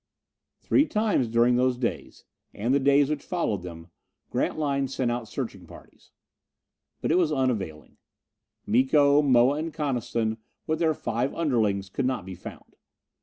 Three times during those days and the days which followed them Grantline sent out searching parties. But it was unavailing. Miko, Moa and Coniston, with their five underlings, could not be found.